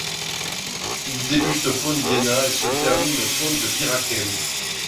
Il débute pont d'Iéna et se termine pont de Bir-Hakeim.